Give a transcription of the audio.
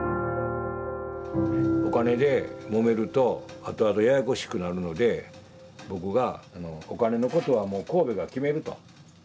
お金でもめると後々ややこしくなるので僕がお金のことはもう神戸が決めると。